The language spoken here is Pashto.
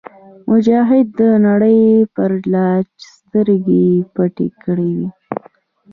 مجاهد د نړۍ پر لالچ سترګې پټې کړې وي.